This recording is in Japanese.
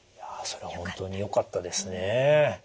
それは本当によかったですね。